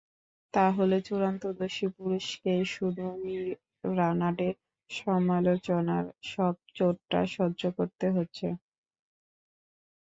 তা হলে চূড়ান্ত দোষী পুরুষকেই শুধু মি রানাডের সমালোচনার সব চোটটা সহ্য করতে হচ্ছে।